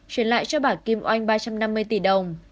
chuyển lại cho bà kim oanh ba trăm năm mươi tỷ đồng